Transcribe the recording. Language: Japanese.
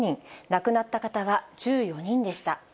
亡くなった方は１４人でした。